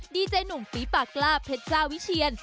ดีเจหนุ่มฝีปากกล้าเพชรเจ้าวิเชียน